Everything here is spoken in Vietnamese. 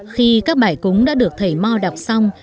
khi các bài cúng đã được thầy mo đọc xong